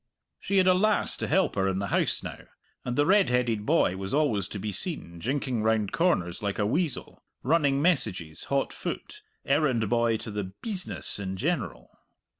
She had a lass to help her in the house now, and the red headed boy was always to be seen, jinking round corners like a weasel, running messages hot foot, errand boy to the "bisness" in general.